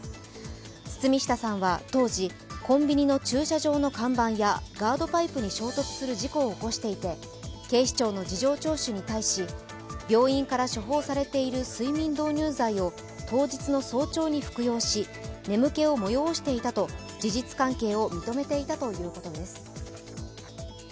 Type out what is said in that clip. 堤下さんは当時、コンビニの駐車場の看板やガードパイプに衝突する事故を起こしていて警視庁の事情聴取に対し、病院から処方されている睡眠導入剤を当日の早朝に服用し、眠気を催していたと、事実関係を認めていたということです。